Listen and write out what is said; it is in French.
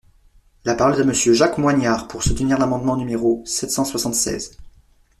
La parole est à Monsieur Jacques Moignard, pour soutenir l’amendement numéro sept cent soixante-seize.